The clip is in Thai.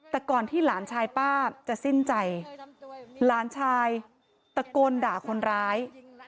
แต่ก่อนที่หลานชายป้าจะสิ้นใจหลานชายตะโกนด่าคนร้าย